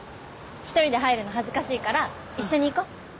１人で入るの恥ずかしいから一緒に行こう。